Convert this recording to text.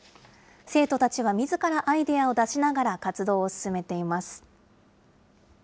生徒たちはみずからアイデアを出しながら、活動を進めています。